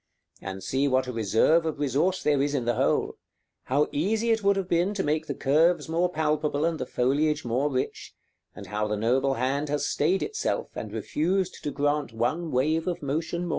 And see what a reserve of resource there is in the whole; how easy it would have been to make the curves more palpable and the foliage more rich, and how the noble hand has stayed itself, and refused to grant one wave of motion more.